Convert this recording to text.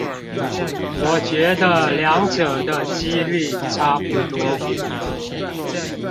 我覺得兩者的機率差不多